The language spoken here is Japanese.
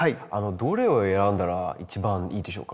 どれを選んだら一番いいでしょうか？